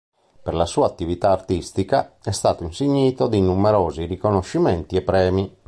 Per la sua attività artistica è stato insignito di numerosi riconoscimenti e premi.